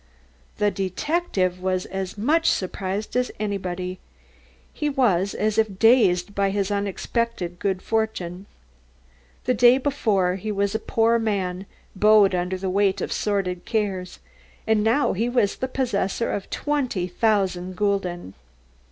The detective was as much surprised as anybody. He was as if dazed by his unexpected good fortune. The day before he was a poor man bowed under the weight of sordid cares, and now he was the possessor of twenty thousand gulden.